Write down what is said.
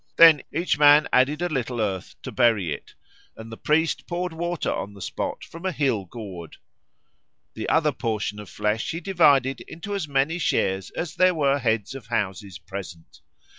Then each man added a little earth to bury it, and the priest poured water on the spot from a hill gourd. The other portion of flesh he divided into as many shares as there were heads of houses present.